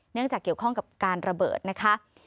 จากเกี่ยวข้องกับการระเบิดนะคะ